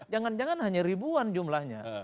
jangan jangan hanya ribuan jumlahnya